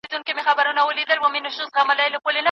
که ماشوم ته ارزښت ورکړو، نو هغه به ځانته مهربان وي.